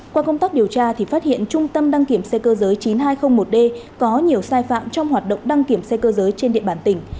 qua công tác điều tra thì phát hiện trung tâm đăng kiểm xe cơ giới chín nghìn hai trăm linh một d có nhiều sai phạm trong hoạt động đăng kiểm xe cơ giới trên địa bàn tỉnh